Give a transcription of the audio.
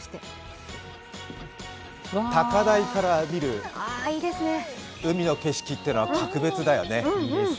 高台から見る海の景色というのは格別だよね。